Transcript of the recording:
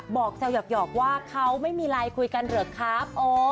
แซวหยอกว่าเขาไม่มีไลน์คุยกันเหรอครับ